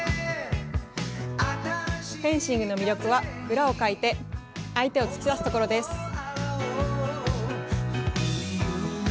フェンシングの魅力は裏をかいて相手を突き刺すところです。